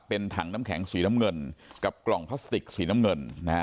เป็นถังน้ำแข็งสีน้ำเงินกับกล่องพลาสติกสีน้ำเงิน